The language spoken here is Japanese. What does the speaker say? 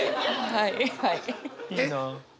はい。